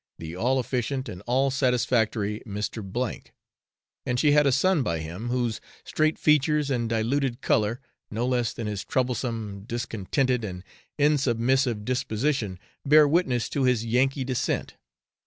the all efficient and all satisfactory Mr. K , and she had a son by him, whose straight features and diluted colour, no less than his troublesome, discontented and insubmissive disposition, bear witness to his Yankee descent.